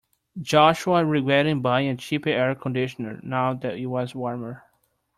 Joshua regretted buying a cheap air conditioner now that it was warmer.